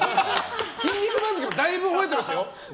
「筋肉番付」でもだいぶ吠えてましたよ。